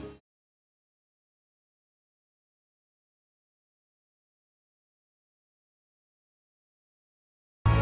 tidak ada yang bisa diberikan